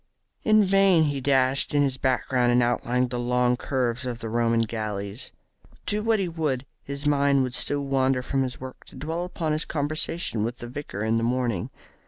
In vain he dashed in his background and outlined the long curves of the Roman galleys. Do what he would, his mind would still wander from his work to dwell upon his conversation with the vicar in the morning.